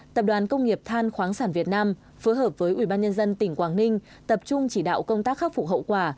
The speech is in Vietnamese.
tập đoàn công nghiệp than khoáng sản việt nam phối hợp với ubnd tỉnh quảng ninh tập trung chỉ đạo công tác khắc phục hậu quả